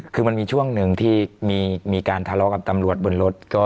คือมันมีช่วงหนึ่งที่มีการทะเลาะกับตำรวจบนรถ